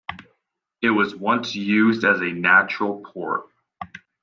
It was once used as a natural port.